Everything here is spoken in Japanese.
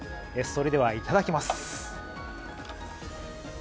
それではいただきます。